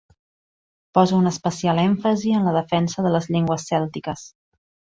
Posa un especial èmfasi en la defensa de les llengües cèltiques.